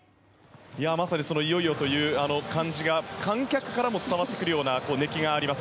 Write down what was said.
まさにそのいよいよという感じが観客からも伝わってくるような熱気があります